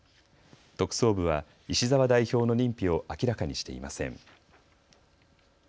特捜部は石澤代表の認否を明らかにしていません。